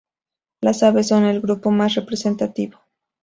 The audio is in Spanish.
Las aves son el grupo más representativo.